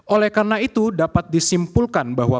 oleh karena itu dapat disimpulkan bahwa